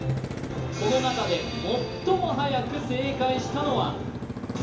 この中で最もはやく正解したのは？